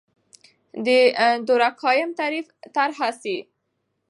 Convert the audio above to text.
د دورکهايم تعریف طرحه سي.